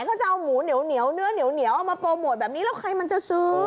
เขาจะเอาหมูเหนียวเนื้อเหนียวเอามาโปรโมทแบบนี้แล้วใครมันจะซื้อ